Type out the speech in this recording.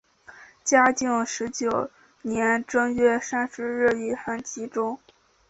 嘉靖十九年正月三十日以寒疾终。